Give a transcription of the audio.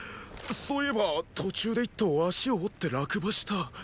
そう言えば途中で一頭足を折って落馬した。